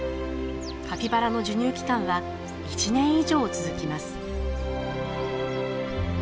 カピバラの授乳期間は１年以上続きます。